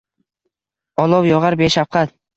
Olov yog’ar beshafqat